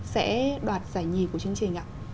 sẽ đoạt giải nhì của chương trình ạ